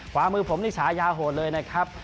ขวามือผมนี่ฉายาโหดเลยนะครับ